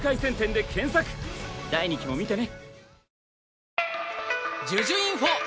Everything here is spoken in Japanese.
第２期も見てね！